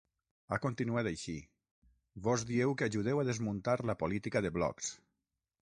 Ha continuat així: Vós dieu que ajudeu a desmuntar la política de blocs.